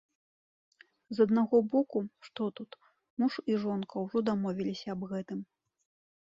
З аднаго боку, што тут, муж і жонка ўжо дамовіліся аб гэтым.